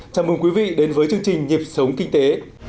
chào mừng quý vị đến với chương trình nhịp sống kinh tế